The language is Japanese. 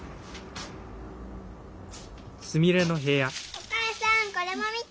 お母さんこれも見て。